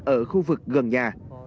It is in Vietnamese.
ở khu vực gần nhà